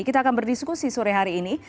kita akan berdiskusi sore hari ini